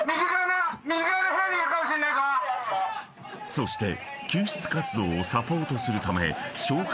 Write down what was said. ［そして救出活動をサポートするため消火